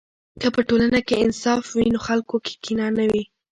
که په ټولنه کې انصاف وي، نو خلکو کې کینه نه وي.